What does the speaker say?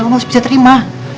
kamu harus bisa terima